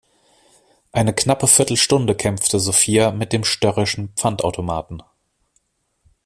Eine knappe Viertelstunde kämpfte Sophia mit dem störrischen Pfandautomaten.